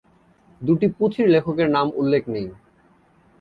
দুটি পুঁথির লেখকের নাম উল্লেখ নেই।